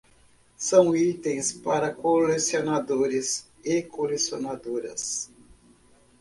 São itens para colecionadores e colecionadoras